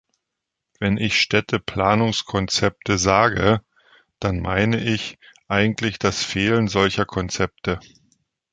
Wenn ich "Städteplanungskonzepte" sage, dann meine ich eigentlich das Fehlen solcher Konzepte.